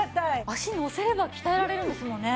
足乗せれば鍛えられるんですもんね。